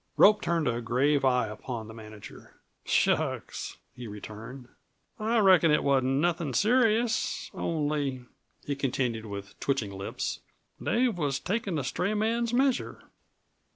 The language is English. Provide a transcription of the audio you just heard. Rope turned a grave eye upon the manager. "Shucks," he returned, "I reckon it wasn't nothin' serious. Only," he continued with twitching lips, "Dave was takin' the stray man's measure."